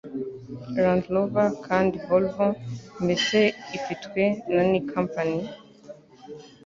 Land Rover Kandi Volvo Mbese ufitwe na Ni Company?